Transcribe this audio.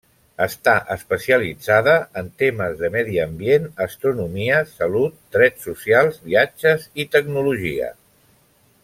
Està especialitzada en temes de medi ambient, astronomia, salut, drets socials, viatges i tecnologia.